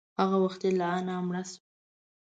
هغه وختي لا انا مړه شوه.